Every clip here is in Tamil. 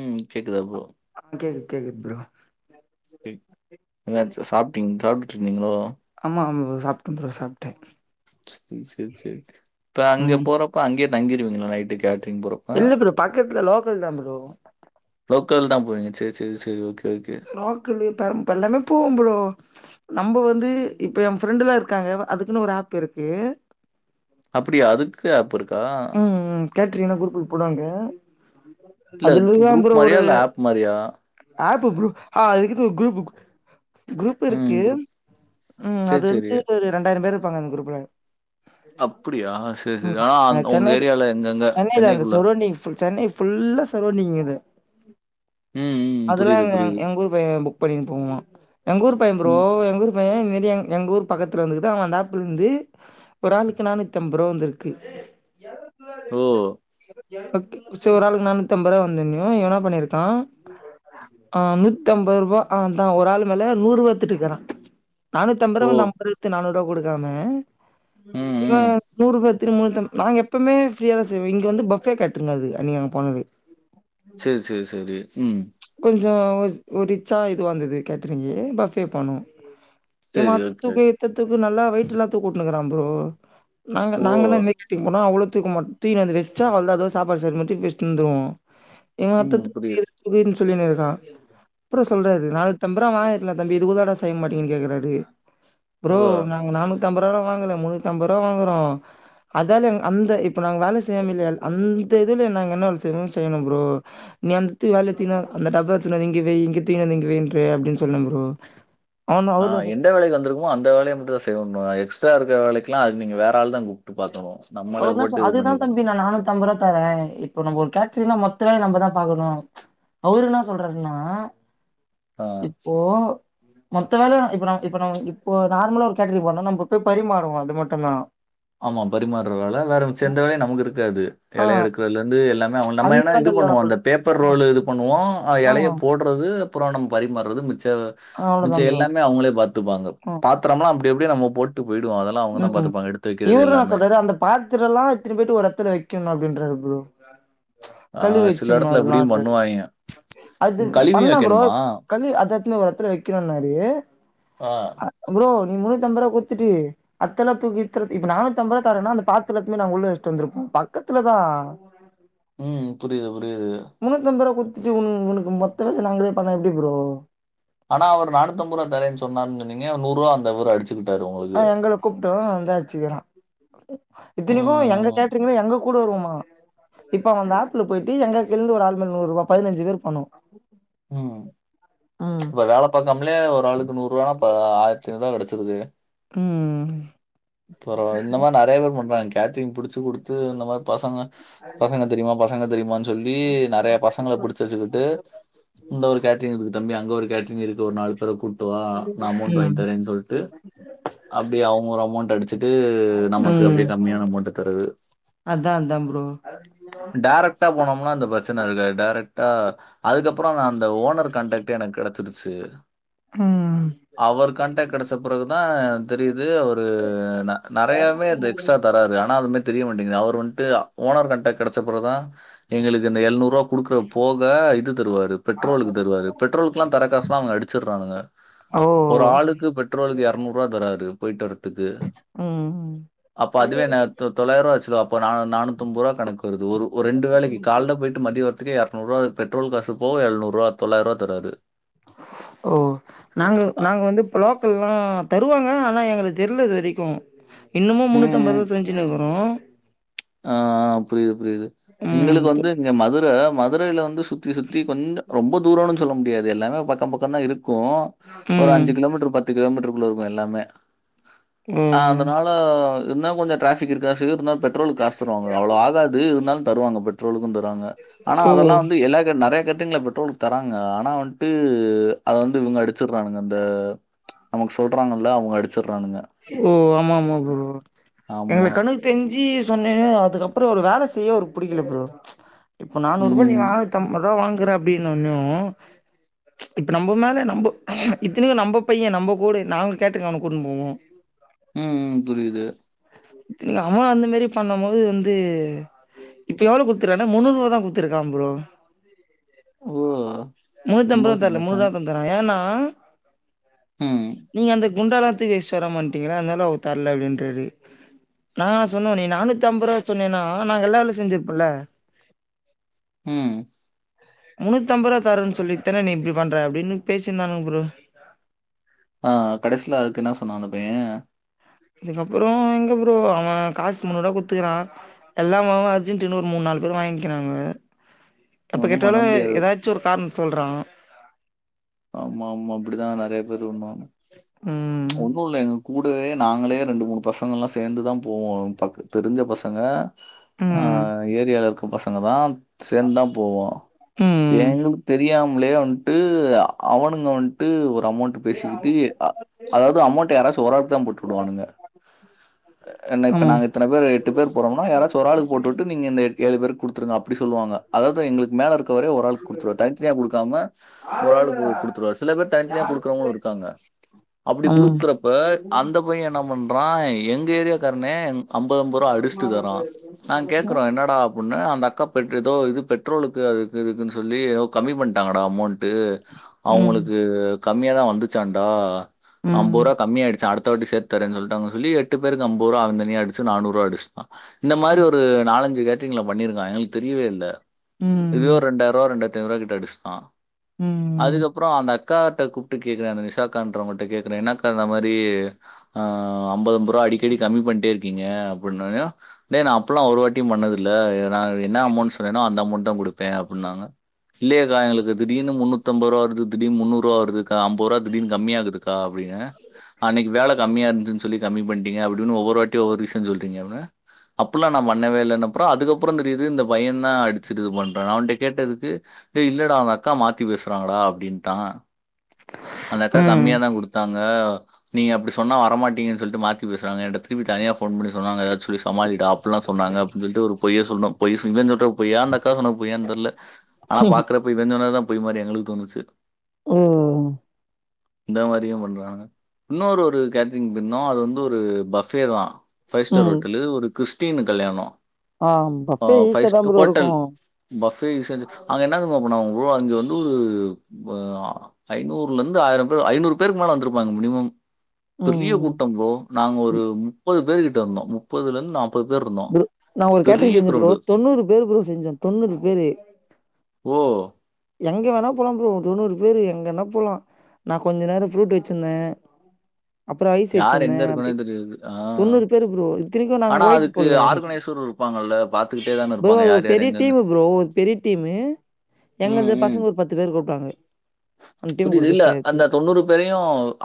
ம். கேக்குதா ப்ரோ? ஆ கேக்குது கேக்குது ப்ரோ கேக் என்னாச்சு சாப்ட்டிங் சாப்ட்ருந்திங்ளோ ஆமா ப்ரோ சாப்டம் ப்ரோ சாப்டே செரி செரி செரி இப்ப அங்க ம் போறப்ப அங்கியே தங்கிருவீங்களா நைட்டு கேட்ரிங் போறப்ப பக்கத்ல லோக்கல் தா ப்ரோ லோக்கல் தா போவீங்க செரி செரி செரி ஓகே ஓகே லோக்கலு பெரம் இப்ப எல்லாமே போவே ப்ரோ நம்ப வந்து இப்போ எ ஃப்ரெண்ட்டெல்லா இருக்காங்க அதுக்குனு ஒரு ஆப் இருக்கு அப்டியா அதுக்கு ஆப் இருக்கா ம் ம் கேட்ரிங் என்னா குரூப்புன் போடுவாங்க இல்ல அதுலதாம் குரூப் ப்ரோ மாரியா? ஒரு இல்ல ஆப் மாரியா? ஆப்பு ப்ரோ ஆ அதுக்குனு ஒரு குரூப்புக் குரூப் ம். இருக்கு குரூப். ம் அது சரி, சரி. வந்து ரெண்டாயிரம் பேர் இருப்பாங்க அந்த குரூப்ல அப்புடியா சேரி சேரி ம் ஆனா அந் உங்க ஏரியால எங்கெங்க சென்னைகுள்ள நீ ஃபுல் சென்னை ஃபுல்லா சரோண்டிங்கிது ம், ம். அதெல்லா புரியுது, எங்க புரியுது. எங்கூர் பைய புக் பண்ணின் போவா எங்கூரு பைய ப்ரோ ம். எங்கூரு மையே இந்மேரி எங் எங்கூர் பக்கத்துல வந்துக்குது அவ அந்த ஆப்லந்து ஒரு ஆளுக்கு நானூத்தம்பருவா வந்துருக்கு ஓ ஓக் சே ஒரு ஆளுக்கு நானூத்தம்பருவா வந்தோன்யூ இவ என்னா பண்ணிருக்கா ஆ நூத்தம்போருபா ஆ அதா ஒரு ஆள் மேல நூறுவா எத்துட்டுகுறா ஓ! நானூத்தம்பருவா வந்து அம்பருவா எத்து நானூறுவா குடுக்காம ம், இவ ம். நூறு பேத்துகு முன்னுத்தம்ப நாங்க எப்பமே ஃப்ரீயாதா செய்வோ இங்க வந்து பஃபே கேட்ரிங் அது அன்னிக்கி அங்க போனது சேர் சேர் செரி ம் கொஞ்சோ ஒரு ஒரு ரிச்சா இதுவா இந்தது கேத்ரிங்கி பஃபே போனோ சரி. எமாத் ஓகே, தூக்கு ஓகே. இத்த தூக்கு நல்லா வெயிட்டுலா தூக்க வுட்னு இகறா ப்ரோ நாங்க ஓ! நாங்கனா இந்த மேரி கேட்ரிங் போன அவ்ளோ‌ தூக்க மாட் தூக்கினு வந்து வச்சா அவ்ளதா அது சாப்பாடு சர் மட்டு தூக்கி வச்ட்டு இந்துருவோ [unintelligible] ம். புரியுது. துல்லினிருக்கா அப்றோ சொல்றாரு நானூத்தம்பரா வாங்க ட்லதம்பி இது கூதவாடா செய்ய மாட்டீங்கின் கேக்கறாரு ப்ரோ ஓ! நா அவுங்க நானூத்தம்பூறா கூட வாங்கல முன்னூத்தம்பூறா வாங்குரோ அதால அந்த இப்ப நாங்க வேல செய்யாமில்ல ‌அந்த இதுல நாங்க என்னா வேல செய்ணு செய்ணு ப்ரோ [unintelligible] அந்த டப்பா எத்துணு வந்து இங்க வை இங்க தூக்கிணு வந்து இங்க வை இங்க வெய்யின்றே அப்டின் சொன்ன ப்ரோ அவனு ஆ அவரு என்ட வேலைக் வந்துருக்கு ஓ அந்த வேலய மட்டு தா செய்வேனோ எக்ஸ்ட்ரா இருக்க வேலைக்கெல்லா அதுக்கு நீங்க வேற ஆள் தா கூப்ட்டு பாக்கணு அவர்னா‌ சொ அதுதா தம்பி நா நானுத் தம்பரு தாரே இப்போ நம் ஒர் கேட்ரிங்னா மொத்த வேல நம்பதா பாக்கணு அவுரு என்னா சொல்றாருன்னா ஆ இப்போ மொத்த வேலயு இப்ப நவ் இப்ப நவ் இப்போ நார்மலா ஒரு கேட்ரிங் போறோனா நம்ப போய் பரிமாறுவோ அது மட்டு தா ஆமா பரிமாற வேல வேற மிச்ச எந்த வேலயு நமக்கு இருக்காது ஆ இலைய எடுக்கறதுல இருந்து எல்லாமே அவ நம்ம அந்த என்ன இது வேல இல்ல பண்ணுவோ அந்த நம்மளுக்கு பேப்பர் ரோல் இது பண்ணுவோ அ ஆ எலைய போட் புரது அப்ரோ நம் பரிமாறுது மிச்ச மிச்ச அவ்ளோதா ப்ரோ எல்லாமே அவுங்களே பாத்துப்பாங்க ஆ பத்ரம்லா அப்டி இப்டி நம்ம போட்டு போய்டுவோ அதெல்லா அவங்கதா பாத்துப்பாங்க எடு இவருனா சொல்றாரு அந்த பாத்திரோலா எத்துட்டு போய்ட்டு ஒர் எத்துல வெக்கணு அப்படின்றாரு ப்ரோ ஆ கழு சில வச்சிட்ணோ இடத்துல இப்படியும் அதெலாண்று பண்ணுவாய்ங்க. அது ம் கழுவியும் பண்லா ப்ரோ வைக்கணுமா? கள்ளு அது எட்துனு ஒரு அத்துல வெக்கணோன்னாரு ஆ அ உ ப்ரோ நீ முன்னூத் அம்பது ரூபா குத்துட்டு அத்தல தூக் இத்துல இப்ப நாநூத்தி அம்பது ரூபா தரணா அந்த பாத்தரத்திலே நா உள்ள வச்ட்டு வந்துருப்போ பக்கத்துல தா [unintelligible] உம் புரிது புரிது முன்னூத் அம்பது ரூபா குத்துட்டு உன் உனக்கு மொத்த வேலய நாங்களே பண்ணா எப்டி ப்ரோ ஆனா அவரு நானூத் அம்பது ரூபா தரேன்னு சொன்னார்னு சொன்னிங்க நூருவா அந்த அவர் அடிச் ஆ எங்கள கூப்ட்டோ அந்து அச்சிக்கிறா இத்தினிக்கூ எங்க ம், தேட்ருமே எங்க கூட வருவோமா இப்ப அவ வந்து ஆப்க்குல போயிட்டு எங்கள் எழ்ந்து ஒரு ஆள்மேல் நூறுபா பதினஞ்சி பேர் போணோ உம் ம் வேல பாக்காம்லே ஒரு ஆளுக்கு நூறுவானா பா ஆயிரத்திஐனூருபா கெடச்சிருது உம் பரவா இந்த மாரி நறைய பேரு பண்றாங் கேட்ரிங் புடிச்சிக் குடுத்து இந்த மாரி பசங்க ஸ் பசங்க தெரியுமா பசங்க தெரியுமான் ஜொல்லி நெறைய பசங்கள புடுச்சுவச்சுக்குட்டு இந்த ஒரு கேட்ரிங் இருக்கு தம்பி அங்க ஒரு கேட்ரிங் இருக்கு ஒரு நால் பேர கூட் துவா நா அமௌன்ட் ம் வாய்ன்ட் வரேன் சொல்ட்டு அப்டியே அவங்க ஒரு அமௌன்ட் அடிச்சிட்டு நமக்கு அப்டே ம் கம்மியான அமௌண்ட்ட தரது அதா அதா ப்ரோ டைரெக்டா போனோம்னா இந்த ப்ரச்சன இருக்காது டைரக்டா அதுக்கப்பறோ நா அந்த ஓனர் கான்டாக்ட்டே எனக் கெடச்சிடுச்சு ம் அவர் காண்டக் கெடச்ச பிறகுதா அ தெரியுது அவரு உ அ நறையாவே அது எக்ஸ்ட்ரா தராரு ஆனா அதுமேத் தெரிய மாட்டேங்குது அவர் வன்ட்டுஆ ஓனர் கன்ட்ட கெடச்சப்றோதா எங்களுக்கு இந்த எழ்நூரூபா குடுக்ற போக இது தருவாரு பெட்ரோலுக்கு தருவாரு பெ்ரோல்க்லா தர காஸ்லா அவங்க அடிச்சிட்றானுங்க ஓ ஒரு ஆளுக்கு பெட்ரோலுக்கு யர்நூருபா தராரு போய்ட்டு வரத்துக் உம் ம் அப்ப அதுவே நேத்து தொள்ளாயிருவா வச்சுதோ அப்ப நானு நானூத் அம்பத் ருபா கணக் வருது ஒரு ஒ ரெண்டு வேளைக்கி கால்ல போய் ன்ட்டு மதியோ வரத்துக்கே யர்நூறுவா பெட்ரோல் காசு போக எழ்நூறுபா தொள்ளாய் ரூபா தராரு ஓ நாங்கவ் அ நாங்க வந்து பலோக்கல்லா தருவாங்க ஆனா எங்களுக்கு தெருலது வரைக்கு இன்னமு முன்னூத்தி அம்பத் ம், ரூபா செஞ்சின் ம். இருக்குறோ ஆ புரியுது புரியுது ம் எங்களுக்கு து வந்து இங்க மதுர மதுரையில இந்து சுத்தி சுத்தி கொஞ்ச ரொம்ப தூரோனு சொல்ல முடியாது எல்லாமே பக்க பக்கன் தா இருக்கு ஒரு ம் அஞ்சி கிலோமீட்டர் பத்து கிலோமீட்டருக்குள்ள இருக்கோ எல்லாமே ஓ ஆந்த னால இருந்தா கொஞ்சோ டிராபிக் இருக்கதாசெய்யு இருந்தாலோ பெட்ரோலுக் காசு சொல்வாங்க அவ்ளோ ஆகாது இருந்தாலு தருவாங்க பெட்ரோலுக்கு தருவாங்க ஆனா ஓ அதெல்லா வந்து எல்லா கட் நெறைய கட்டங்கள பெட்ரோல் தராங்க ஆனா வந்துட்டு அத வந்து இவங்க அடிச்சு றாங்க அந்த நமக்கு சொல்றாங்கல்ல அவுங்க அடிச்சுறானுங்க ஓ ஆமா ஆமா ப்ரோ ஆமா. எங்களுக் கண்ணுக் செஞ்சு சொன்னேனு அதுக்கப்றோ அவரு வேல செய்ய அவருக்கு புடிக்கல ப்ரோ இப்ப நானூறு ரூபாய் ம். நீ வாங் தம்பருவா வாங்றே அப்டின்னுன்னூ இப்ப நம்ம மேல நம்ப இத்தனைக்கு நம்ம பைய நம்ம கூடு நாங்க கேட்டிர்ங் அவன கூட்டுன்னு போவோ ம் ம் புரியுது நம்ம அந்த மாரி பண்ணும் போது வந்து இப்ப எவ்ளோ குத்துருக்கானா முன்னூ ரூபா குத்துருக்கா ப்ரோ ஓ! ரொம்ப முன்னூத்தம்பதுரூவா தர்ல முன்னூறுவ சங்கட்டம். தந்தனா ஏனா ம். நீங்க அந்த குண்டால தூக்கி வச்சுட்டு வரமா மாட்டீங்களா அதனால அவ தர்ல அப்டின்டாரு நா சொன்னுவே நீ நானூத்தம் ரூவா சொன்னேன்னா நாங்கல்லா வேல செஞ்சிருப்பல ம் முன்னூத்தம்ருவ தரேனு சொல்லி தானே நீ இப்டி பண்ற அப்டினு பேசிந்தாங்க ப்ரோ ஆ கடைசியில அதுக்கு என்ன சொன்னா அந்த பைய இதுக்கப்றோ எங்க ப்ரோ அவ காசு முண்ணுறுவா குத்துக்றா எல்லாமும் அர்ஜென்டன்னு ஒரு மூணு நாலு பேரு வாங்கிக்கினாங்க எப்ப ஒண்ணும் பண்ண கேட்டாலு முடியாது. ஏதாச்சு ஒரு காரணம் சொல்றா ஆமா ஆமா அப்டிதா நெறைய பேரு பண்ணாங்க ம் ஒண்ணு இல்ல எங்க கூடவே நாங்களே ரெண்டு மூணு பசங்க எல்லா சேந்து தா போவோ பக் தெரிஞ்ச பசங்க ஆ ம் ஏரியால இருக்க பசங்க தா சேந்து தா போவோ ம் எங்களுக் தெரியாமலே வன்ட்டு அவனுங்க வன்ட்டு ஒரு அமௌண்ட் பேசிக்கிட்டு அதாவது அமௌண்ட் யாராச்சு ஒரு ஆளுக்கு தா போட்டு விடுவானுங்க என்ன இப்ப ஆமா நாங்க இத்தன பேரு எட்டு பேர் போறோம்னா யாராச்சு ஒரு ஆளுக்கு போட்டுவிட்டு நீங்க இந்த எட் ஏழு பேர்க்கு குடுத்துருங்க அப்டி சொல்லுவாங்க அதாவது எங்ளுக்கு மேலருக்ரவரே ஒரு ஆளுக்கு கொடுத்துருவர் தனித்தனியா குடுக்காம ஒரு ஆளுக்கு குடுத்துருவார் சில பேர் தனித்தனியா குடுக்குறவங்களு இருக்காங்க அப்டி ஆமா குடுக்குறப்ப அந்த பைய என்ன பண்றா எங்க ஏரியா கார்னே அம்பது அம்பது ரூபா அடிச்சுட்டு தரா நாங் கேக்குறோ என்னடா அப்புன்னு அந்த அக்கா பெட் ஏதோ இது பெட்ரோலுக்கு அதுக்கு இதுக்குன்னு சொல்லி ஏதோ கம்மி பண்ணிட்டாங்கடா அமௌண்டு ம் அவுங்களுக்கு கம்மியா தா வந்துச்சாண்டா அம்பது ரூபா ம் கம்மிய ஆயிடுச்சா அடுத் த வாட்டி சேத்து தரனு சொல்லிட்டாங்கனு சொல்லி எட்டு பேருக்கு அம்பது ரூவா அவ தனியா அடிச்சு நானூரூவா அச் இந்த மாரி ஒரு நாலஞ்சு கேட்டரிங்லா பண்ணியிருக்க எங்களுக்கு தெரியவே இல்ல இதுவே ம் ரெண்டாயிரூபா ரெண்டாயிரத்தைனுரரூவாட்ட அடிச்சுட்டா ம் அதுக்கப்றோ அந்த அக்காட்ட கூப்பிட்டு கேக்குரானுக நிஷாக்கான்றவங்க கிட்ட கேக்றே என்னக்க இந்த மாரி ஆ அம்பது அம்பரூவா அடிக்கடி கம்மி பண்ணிட்டே இருக்கீங்க அப்டினோன்னையு டேய் அப்டில்லா ஒரு வாட்டியு பண்ணதில்ல நா என்ன அமௌண்ட் சொன்னேனோ அந்த அமௌண்ட் தா குடுப்பே அப்புன்னாங்க இல்லேயேக்கா எங்களுக்கு திடீனு முன்னூத் தம்பதுரூவா வருது திடீர்னு முன்னூறுரூவா வருதுக்கா அம்பது ரூபா திடீனு கம்மியாகுதுக்கா அப்டின்னே அன்னைக்கி வேல கம்மியா இருந்துச்சின்னு சொல்லி கம்மி பண்ணிட்டிங்க அப்டின்னு ஒவ்வொரு வாட்டி ஒவ்வொரு ரீசன் சொல்றீங்க அப்டின்னு அப்புலா நா பண்ணவே இல்லான்னு அப்றோ அதுக்கு அப்றோ தெரியுது இந்த பைய தா வைச்சிட்டு இது பண்றனு அவன்ட்ட கேட்டதுக்கு ஏ இல்லடா அவுங்க அக்கா மாத்தி பேசுறாங்கடா அப்டின்ட்டா அந்த அக்கா கம்மியா தா குடுத்தாங்க ஆ நீங்க அப்டி சொன்னா வரமாட்டீங்கன்னு சொல்லிட்டு மாத்தி பேசுறாங்க இடத்து திருப்பி தானியா ஃபோன் பண்ணி சொன்னாங்க ஏதாச்சு சொல்லி சமாளிடா அப்பெல்லா சொன்னங்க அப்டின்னு சொல்லிட்டு ஒருபொய் சொன்னோ பொய் இவன் சொல்ற பொய்யா அந்த அக்கா சொன்ன பொய்யானு தெர்ல ஆனா ம் பாக்றப்பா போய் இவ சொன்னது தா பொய் மாரி எங்களுக்கு தோணுச்சு ம் இந்த மாரியு பண்றாங்க இன்னொரு ஒரு கேட்டரிங் போயிருந்தோ அது வந்து ஒரு பஃபே தா பைவ் ஸ்டார் ம் ஹோட்டலு ஒரு கிறிஸ்டின் கல்யாணோ ஆ பஃபே ஈசியாதா ப்ரோ இருக்கு பஃபே ஈசியா இருந்துது அங்க என்னா தெரிமா பண்ணாங்க ப்ரோ அங்க வந்து ஒரு இது ஆ ஐநூறுலந்து ஆயிரம் பேர் ஐநூறு பேருக்கு மேல வந்துருப்பாங்க மினிமம் பெரிய ம் கூட்டம் ப்ரோ நாங்க ஒரு முப்பது பேரு கிட்ட இருந்தோ முப்பதுல இருந்து நாப் ப்ரோ நா ஒரு கேட்டரிங் செஞ்சே ப்ரோ தொண்ணூறு பேரு ப்ரோ செஞ்சே தொண்ணூறு பேரு ஓ எங்க வேணா போலாம் ப்ரோ தொண்ணூறு பேர் எங்கனா போலா நா கொஞ்சநேரம் ஃப்ரூட் வச்சிருந்தே அப்பறோ ஐஸ் யார் வச்சிருந்தே எங்க அப்டி இருக்கோன்னே தெரியாது. ஆ. தொண்ணூறு பேரு ப்ரோ இத்தனைக்கு நாங்க ஆனா ஒயிட் அதுக்கு போட்ல அன்னைக்கி ஆர்கனைசரும் இருப்பாங்கல்ல. பாத்துக்கிட்டே தான ப்ரோ இருப்பாங்க. அது ஒரு யார், யார் பெரிய எங்கெங்க டீம்மு ப்ரோ ஒரு பெரிய டீம்மு ம், எங்கள்து ம். பசங்க ஒரு பத்து பேரு கூப்ட்டாங்க அந்த டீம் கூட புரிது போய் இல்ல சேத்து அந்த தொண்ணூறு பேரையு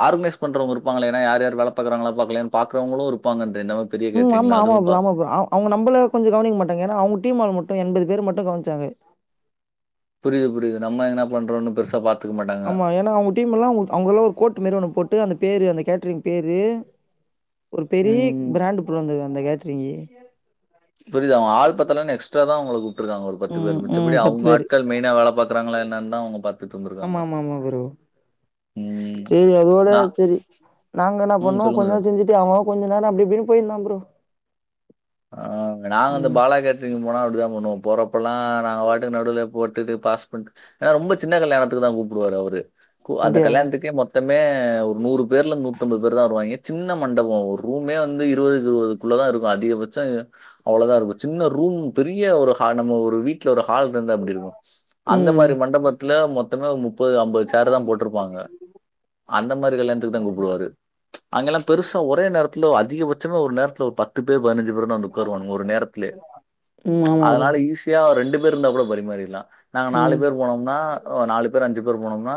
ஆர்கனைஸ் பண்றவங்க இருப்பாங்களே ஏன்ன யார்யார் வேல பாக்றாங்களா பாக்கலையான்னு பாக்குறவங்களு இருப்பாங்க இந்த பெரிய ம் ஆமா கேட்டரிங்ல ஆமா அதுவும் ப்ரோ பா ஆமா ப்ரோ ஆமா அவங்க நம்பள கொஞ்சோ கவனிக்க மாட்டாங்க ஏன்னா அவங்க டீம் ஆளுங்க மட்டு எண்பது பேர் மட்டு கவனிச்சாங்க புரிது புரிது நம்ப ஏதான பண்றோன்னு பெருச பாத் ஆமா ஏன்னா அவங்க டீம் எல்லா அவங்களுக்ல்லா ஒரு கோட்டு மேரி ஒண்ணு போட்டு அந்த பேரு அந்த கேட்டரிங் பேரு ஒரு பெரிய ம். பிராண்ட் ப்ரோ அந்த அந்த கேட்டரிங்கு புரிது அவங்க ஆள் பத்தலன்னு எக்ஸ்ட்ரா தா உங்கள கூப்ட்டுருக்காங்க ஒரு பத்து ம், பேர் ம். மிச்சப்படி அவுங்க பேரு. ஆட்கள் மெயினா வேல பாக்கறாங்களா என்னனுதா அவங்க பாத் ஆமா ஆமா ஆமா ப்ரோ ம். சேரி அதோட நான் சேரி நாங்க என்ன ம். பண்ணோ சொல்லுங்க, கொஞ்ச சொல்லுங்க. நேரம் செஞ்சிட் டு அவங்க அவங்க கொஞ்சநேரம் அப்டி இப்டின்னு போயிருந்தோ ப்ரோ ஆ நாங்க அந்த ம். பாலாகேட் டரிங் போனா அப்டிதா பண்ணுவோ போறப்ப எல்லா நாங்க பாட்டுக்கு நடுவுல போட்டுட்டு பாஸ் பண்ட்டு ஏன்னா ரொம்ப சின்ன கல்யாணத்துக்கு தா கூப்புடுவாரு அவரு கூ அந்த அப்டியா? கல்யாணத்துக்கே மொத் த்தமே ஒரு நூறு பேர் இல்ல நூத்தம்பது பேர் தா வருவாங்க சின்ன மண்டபம் ஒரு ரூமே வந்து இருவதுக்கு இருவது க்குள்ள தா இருக்கு அதிகபட்சம் அவ்வளதா இருக்கு சின்ன ரூம் பெரிய ஒரு ஹா நம்ம ஒரு வீட் ட்ல ஒரு ஹால் இருந்த எப்டி இருக்கு அந்த ம், மாரி மண்டபத் துல மொத்தமே ஒரு முப்பது ஐம்பது சேர் தா போட்ருப்பாங்க அந்த மாரி கல்யாணத்துக்கு தா கூப்டுவாரு அங்கல்லா பெருசா ஒரே நேரத்துல அதிகபட்சமே ஒரு நேரத்துல ஒரு பத்து பேர் பதினஞ்சி பேரு தா வந்து உக்காருவானுங்க ஒரு நேரத்துலே ம். ஆமா ப்ரோ. அதனால ஈஸியா ரெண்டு பேர் இருந்தா கூட பரிமாறிடலா நாங்க நாலு ம், பேர் போனோம்னா அ நாலு பேர் அஞ்சு பேர் போனோம்னா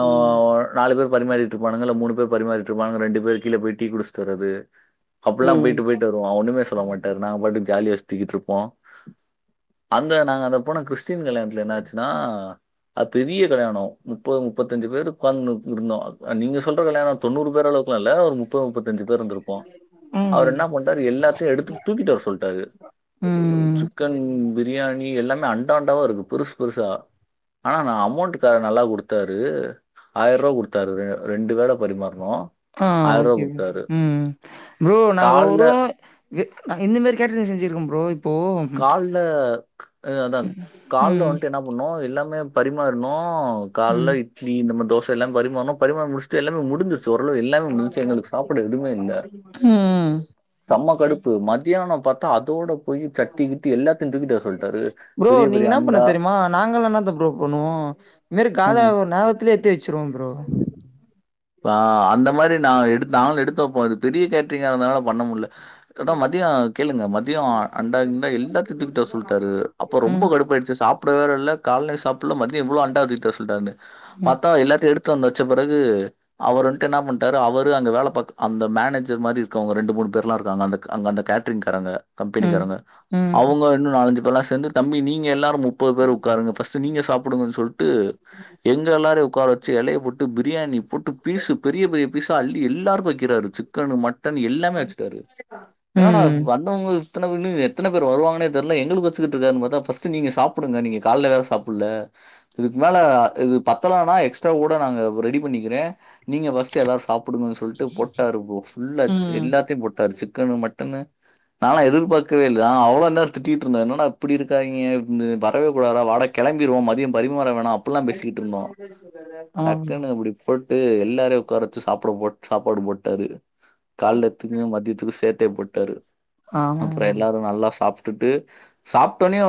ம், நாலு பேர் பரிமாறிட்டு இருப்பானுங்க இல்ல மூணு பேரு பரிமாறிட்டு இருப்பானுங்க ரெண்டு பேர் கீழ போய் டீ குடிச்சிட்டு வர்றது அப்டில்லா ம். போயிட்டு போயிட்டு வருவோ ஒண்ணுமே சொல்ல மாட்டாரு. நாங்க பாட்டுக்கு ஜாலியா சுத்திகிட்டு இருப்போ அந்த நாங்க அந்த போனா கிறிஸ் டின் கல்யாணத்துல என்ன ஆச்சின்னா அது பெரிய கல்யாணோ முப்பது முப்பத்தஞ்சி பேர் உக்காந்துனு இருந்தோ அது அ நீங்க சொல்ற கல்யாணம் தொண்ணூறு பேரு அளவுக்குலா இல்ல ஒரு முப்பது முப்பத்திஞ்சி பேர் இருந்துருப்போ அவரு ம், என்னா பண்ட்டாரு எல்லாத்தையு எடுத்துட்டு தூக்கிட்டு வர சொல்லிட்டாரு ஒ சி ம். க்கன் பிரியாணி எல்லாமே அண்டா அண்டாவா இருக்கு பெருசு பெருசா ஆனா நா அமௌண்ட்டு க நல்லா குடுத்தாரு ஆயிரரூவா குடுத்தாரு ரெண்டு வேள பரிமாறுணோ ஆ ஓகே ப்ரோ ம் ப்ரோ நாங்க காலைல ஒரு வேள வெ நா இந்த மாதரி கேட்டரிங் செஞ்சிருக்கம் ப்ரோ இப்போ. கால்ல க் அதா கால்ல ம், வந்ட்டு என்னாப் பண்ணோ எல்லாமே பரிமாறுனோ காலல ம், இட்லி இந்த மாரி தோச எல்லா பரிமாறுனோ பரிமாறி முடிச் மித்த எல்லாமே முடிஞ்சிருச்சி ஓரளவு எல்லாமே முடிஞ்சிச்சி எங்களுக்கு சாப்ட எதுமே இல்ல ம் ம் செம கடுப்பு மதியானம் பாத்தா அதோட போய் சட்டி கிட்டி எல்லாத்தையும் தூக்கிட்டு வர சொல்லிட்டாரு ப்ரோ பெரிய நீங்க பெரிய என்ன பண்ணு அண்டா தெரிமா நாங்கல்லா என்னத்த ப்ரோ பண்ணுவோ இதுமேரி ம் காலியாவுர நேரத்திலே எடுத்து வச்சுருவோ ப்ரோ அ அந்த மாரி நா எடுத் நாங்களு எடுத்து வைப்போ அது பெரிய கேட்டரிங்கா இருந்தனால பண்ண முடில அதான் மதியம் கேளுங்க மதியோம் அண்டா குண்டா எல்லாத்தையும் தூக்கிட்டு வர சொல்ட்டாரு அப்ப ரொம்ப ம் கடுப் போயிடுச்சி சாப்பிட வேற இல்ல கால்லயும் சாப்பல்ல மதியம் இவ்ளோ அண்டா தூக்கி வர சொல்ட்டாருன்னு ம் பாத்தா எல்லாத்தையும் எடுத்து வச்ச பிறகு அவர் வந்ட்டு என்ன பண்டாறு அவரு அங்க வேலை பாக் அந்த மேனேஜர் மாரி இருக்கவங்க ரெண்டு மூணு பேர்லா இருக்காங்க அந்த க் அங்க அந்த கே கேட்ரிங்காரங்க ம் கம்பெணிக்காரங்க ம் அவுங்க இன்னு நாலஞ்சு பேர்லா சேர்ந்து தம்பி நீங்க எல்லாரு முப் முப்பது பேர் உக்காருங்க ப்ஸ்டு நீங்க சாப்புடுங்கன் சொல்ட்டு எங்க எல்லாரயு உக்கார எலைய போட்டு பிரியாணி போட்டு பீஸ்ஸு பெரிய பெரிய பீஸ்ஸா அள்ளி எல்லாருக்கு வைக் வக்கிறாரு சிக்கனு மட்டனு எல்லாமே வெச்சுட்டாரு என்னடா ம் வந் மத்தவங்க எத்தன பேருனு எத்தன பேர் வருவாங்கன்னே தெரியல எங்களுக்கு வெச்சுகிட்ருக்கார்ன்னு பாத்தா ப் ஃபர்ஸ்ட் நீங்க சாப்டுங்க நீங்க காலேல வேற சாப்புட்ல இதுக்கு மேல இது பத்தலனா எக்ஸ கூட நாங்க ரெடி பண்ணிக்கிறே நீங்க ஃபஸ்ட் ச்சு எல்லாரு சாப்புடுங்க சொல்ட்டு போட்டாரு ப்ரோ புள்ள ம் எல்லாத்தயு போட்டாரு சிக்கனு மட்டனு நாலா எதிர் பாக்கவே இல்ல அவ்வளோ நேரோ திட்டிட்டு இருந்தே என்னடா இப்படி இருக்காங்க வரவே கூடாதுடா வாடக் கிளம்பிறுவோ மதியம் பரிமாற வேணா அப்டிலா பேசிட்டு இருந்தோ ஆமா ப்ரோ அப்டி போட்டு எல்லாரையு உக்கார வெச்சு சாப்ட போட் சாப்பாடு போட்டாரு காலலத்துக்கு மதியத்துக்கு சேத்தே போட்டாரு ஆமா அப்ரோ ப்ரோ எல்லாரு நல்லா சாப் ப்டுட்டு சாப்ட்டோனியு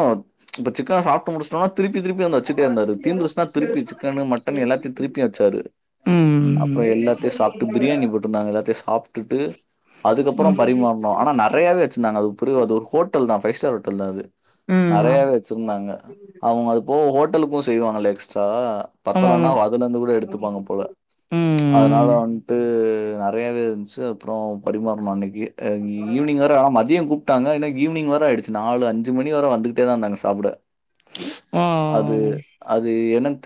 இப்ப சிக்கன சாப்டு முடிச்ஸ் னா திருப்பி திருப்பி வந்து வச்சுட்டே இருந்தாரு தீந்துருச்சுன்னா திருப்பி சிக்கனு மட்டனு எல்லாத்தையு திருப்பியு வெச்சாரு அப்ரோ ம் எல்லாத்தையு சாப்ட்டு பிரியாணி போட்ருந்தாங்க எல்லாத்தையு சாப்டுட்டு அதுக்கப்புரோ பரிமாறுனோ ஆனா நெறையாவே வெச்சிருந்தாங்க அது பெரிய அது ஒரு ஹோட்டல் தா ஃபைவ் ஸ்டார் ஹோட்டல் தா அது ம் நெறையாவே ஆமா வெச்சுருந்தாங்க அவங்க அதுபோக ஹோட்டலுக்கு செய்வாங்கல்ல எக்ஸ்ட்ரா ஆமா பத்தலன்னா வ அதுலருந்து கூட எடுத்துப்பாங்க போல ம் அதனால ம் வந்த் ட்டு நெறையவே இருந்துச்சு அப்ரோ பரிமாறுனோ அன்னைக்கு ஈவினிங் வேறு ஆ மதியோ கூப்ட் ட்டாங்க எனக் ஈவினிங் வர ஆய்டுச்சு நாலு அஞ்சுமணி வர வந்துகுட்டேதா இருந்தாங்க சாப்பட அது ஆ அது என்னன்